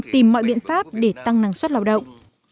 tìm mọi biện pháp để tăng năng suất lao động